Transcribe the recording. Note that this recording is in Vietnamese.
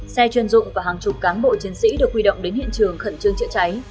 xe chuyên dụng và hàng chục cán bộ chiến sĩ được huy động đến hiện trường khẩn trương chữa cháy